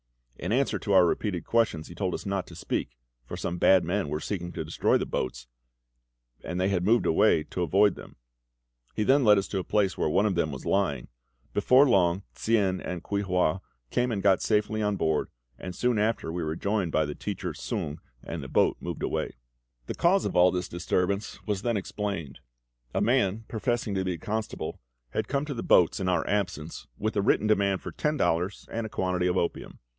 In answer to our repeated questions he told us not to speak, for some bad men were seeking to destroy the boats, and they had moved away to avoid them. He then led us to the place where one of them was lying. Before long Tsien and Kuei hua came and got safely on board, and soon after we were joined by the teacher Sung, and the boat moved away. The cause of all this disturbance was then explained. A man professing to be the constable had come to the boats in our absence, with a written demand for ten dollars and a quantity of opium.